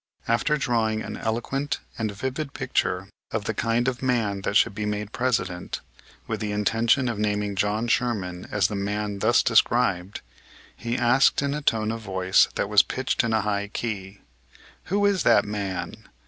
After drawing an eloquent and vivid picture of the kind of man that should be made President, with the intention of naming John Sherman as the man thus described, he asked in a tone of voice that was pitched in a high key: "Who is that man?"